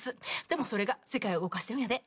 でもそれが世界を動かしてるんやで。